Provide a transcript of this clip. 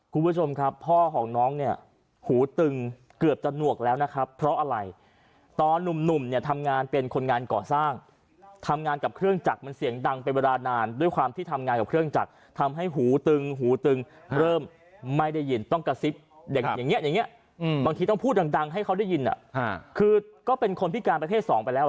คุณผู้ชมครับพ่อของน้องเนี่ยหูตึงเกือบจะหนวกแล้วนะครับเพราะอะไรตอนหนุ่มเนี่ยทำงานเป็นคนงานก่อสร้างทำงานกับเครื่องจักรมันเสียงดังเป็นเวลานานด้วยความที่ทำงานกับเครื่องจักรทำให้หูตึงหูตึงเริ่มไม่ได้ยินต้องกระซิบอย่างเงี้อย่างเงี้ยบางทีต้องพูดดังให้เขาได้ยินคือก็เป็นคนพิการประเภทสองไปแล้ว